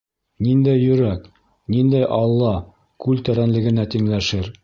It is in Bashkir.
Ниндәй йөрәк, ниндәй Алла күл тәрәнлегенә тиңләшер?